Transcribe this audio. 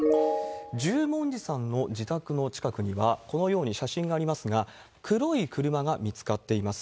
十文字さんの自宅の近くには、このように写真がありますが、黒い車が見つかっています。